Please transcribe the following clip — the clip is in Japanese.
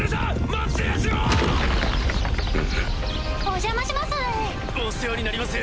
お邪魔します！